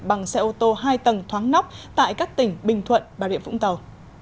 bằng xe ô tô hai tầng thoáng nóc tại các tỉnh bình thuận bà rịa vũng tàu